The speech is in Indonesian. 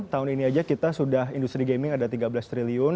tahun ini aja kita sudah industri gaming ada tiga belas triliun